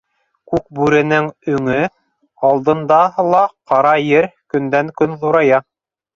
Күкбүренең өңө алдында ла ҡара ер көндән-көн ҙурая.